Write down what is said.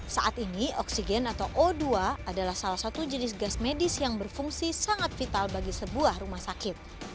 saat ini oksigen atau o dua adalah salah satu jenis gas medis yang berfungsi sangat vital bagi sebuah rumah sakit